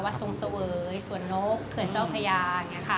ทรงเสวยสวนนกเขื่อนเจ้าพญาอย่างนี้ค่ะ